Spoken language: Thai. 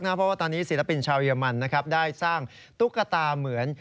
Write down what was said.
เพราะว่าตอนนี้ศิลปินชาวเยอรมันได้สร้างตุ๊กตาเหมือน